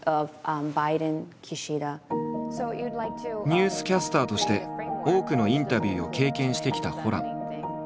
ニュースキャスターとして多くのインタビューを経験してきたホラン。